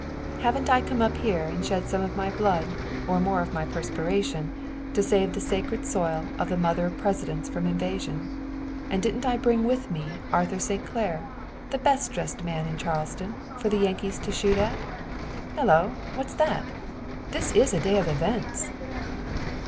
Haven't I come up here and shed some of my blood and more of my perspiration to save the sacred soil of the Mother of Presidents from invasion? And didn't I bring with me Arthur St. Clair, the best dressed man in Charleston, for the Yankees to shoot at? Hello, what's that? This is a day of events!"